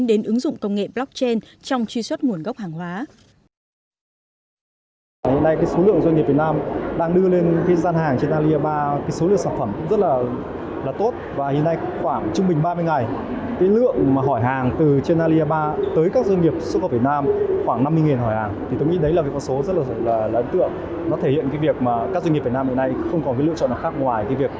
đến ứng dụng công nghệ blockchain trong truy xuất nguồn gốc hàng hóa